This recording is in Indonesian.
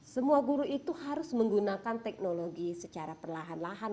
semua guru itu harus menggunakan teknologi secara perlahan lahan